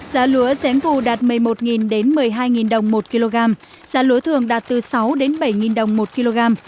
giá lúa giếng cù đạt một mươi một một mươi hai đồng một kg giá lúa thường đạt từ sáu bảy đồng một kg